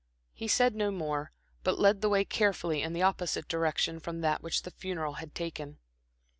He said no more, but led the way carefully in the opposite direction from that which the funeral had taken.